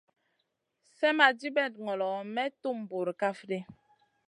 Slèmma dibèt ŋolo may tum bura kaf ɗi.